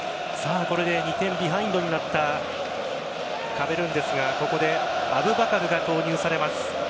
これで２点ビハインドになったカメルーンですがここでアブバカルが投入されます。